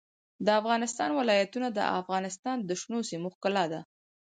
د افغانستان ولايتونه د افغانستان د شنو سیمو ښکلا ده.